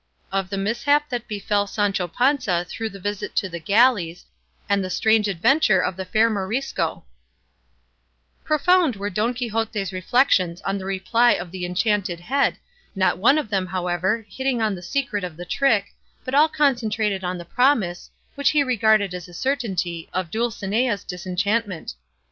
OF THE MISHAP THAT BEFELL SANCHO PANZA THROUGH THE VISIT TO THE GALLEYS, AND THE STRANGE ADVENTURE OF THE FAIR MORISCO Profound were Don Quixote's reflections on the reply of the enchanted head, not one of them, however, hitting on the secret of the trick, but all concentrated on the promise, which he regarded as a certainty, of Dulcinea's disenchantment.